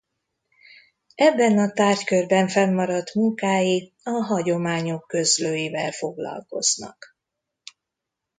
Ebben a tárgykörben fennmaradt munkái a hagyományok közlőivel foglalkoznak.